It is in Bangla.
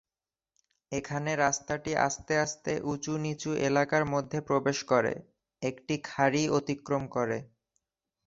এখানে রাস্তাটি আস্তে আস্তে উচু-নিচু এলাকার মধ্যে প্রবেশ করে, একটি খাঁড়ি অতিক্রম করে।